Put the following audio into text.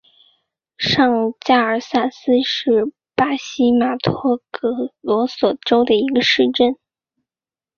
上加尔萨斯是巴西马托格罗索州的一个市镇。